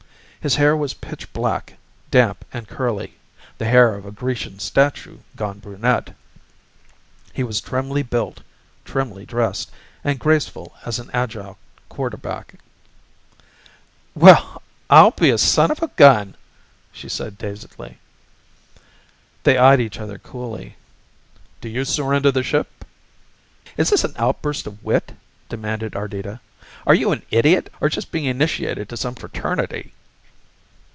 His hair was pitch black, damp and curly the hair of a Grecian statue gone brunette. He was trimly built, trimly dressed, and graceful as an agile quarter back. "Well, I'll be a son of a gun!" she said dazedly. They eyed each other coolly. "Do you surrender the ship?" "Is this an outburst of wit?" demanded Ardita. "Are you an idiot or just being initiated to some fraternity?"